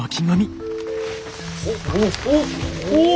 おっ。